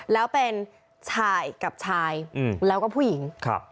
แล้วเป็นชายกับชายแล้วก็ผู้หญิง